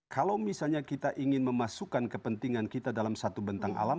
kalau misalnya kita ingin memasukkan kepentingan kita dalam satu bentang alam